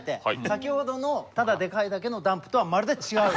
先ほどのただでかいだけのダンプとはまるで違う。